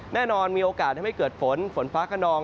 แน่นอนมีโอกาสทำให้เกิดฝนฝนฟ้าขนอง